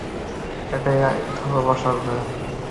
এটা হলো বসার ঘর।